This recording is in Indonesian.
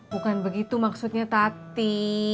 bukan begitu maksudnya tadi